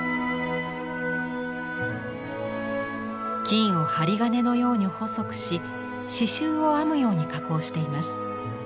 金を針金のように細くし刺しゅうを編むように加工しています。